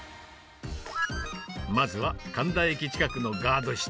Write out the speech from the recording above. まずは、神田駅近くのガード下。